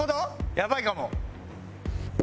やばいかも。